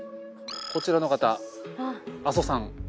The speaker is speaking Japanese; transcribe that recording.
こちらの方阿蘓さん。